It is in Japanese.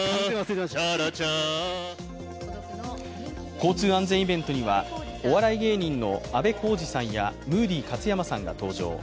交通安全イベントには、お笑い芸人のあべこうじさんやムーディ勝山さんが登場。